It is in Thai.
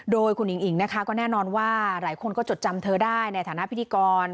โดยคุณอิงอิ๋งนะคะก็แน่นอนว่าหลายคนก็จดจำเธอได้ในฐานะพิธีกร